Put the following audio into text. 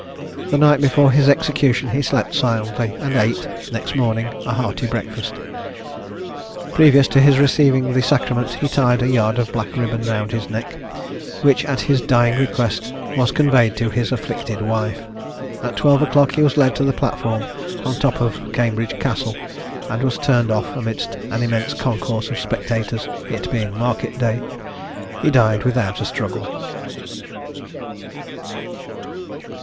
The night before his execution he slept soundly, and ate, next morning, a hearty breakfast. Previous to his receiving the sacrament he tied a yard of black ribbon round his neck, which, at his dying request, was conveyed to his afflicted wife. At twelve o'clock he was led to the platform, on the top of Cambridge Castle, and was turned off amidst an immense concourse of spectators, it being market day. He died without a struggle.